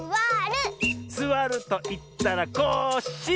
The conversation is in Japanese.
「すわるといったらコッシー！」